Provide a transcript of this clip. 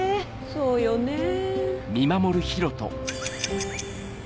そうよねぇ。